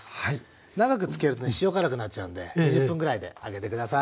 長くつけるとね塩辛くなっちゃうんで２０分くらいであげて下さい。